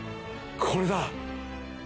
これだ！